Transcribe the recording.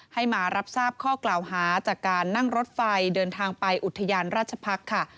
ให้มารับทราบข้อกล่าวหาจากการนั่งรถไฟเดินทางไปอุทยานราชพักษ์ค่ะ